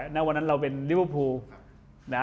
ณวันนั้นเราเป็นลิเวอร์พูล